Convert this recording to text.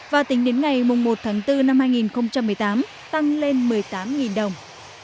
và tính đến ngày một tháng bốn năm hai nghìn một mươi tám tăng lên một mươi tám đồng